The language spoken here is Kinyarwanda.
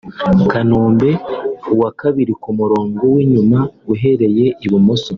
Kanombe (uwa kabiri ku murongo w'inyuma uhereye i bumoso